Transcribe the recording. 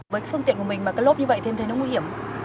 với phương tiện của mình mà cái lốp như vậy thì em thấy nó nguy hiểm